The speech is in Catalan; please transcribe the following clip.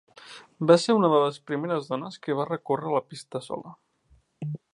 Va ser una de les primeres dones que va recórrer la pista sola.